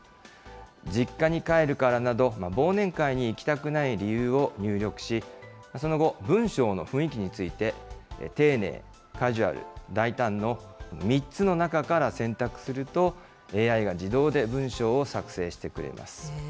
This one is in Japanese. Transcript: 実家に帰るからなど、忘年会に行きたくない理由を入力し、その後、文章の雰囲気について、丁寧、カジュアル、大胆の３つの中から選択すると、ＡＩが自動で文章を作成してくれます。